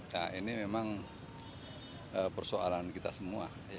nah ini memang persoalan kita semua